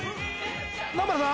南原さん？